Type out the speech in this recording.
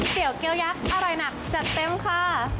เตี๋ยเกี้ยวยักษ์อร่อยหนักจัดเต็มค่ะ